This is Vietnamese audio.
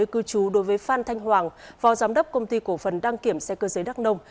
cư trú đối với phan thanh hoàng phó giám đốc công ty cổ phần đăng kiểm xe cơ giới đắc nông